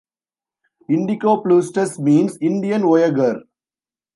"Indicopleustes" means "Indian voyager".